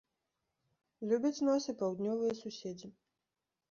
Любяць нас і паўднёвыя суседзі.